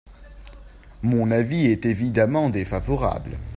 Mon avis est évidemment défavorable.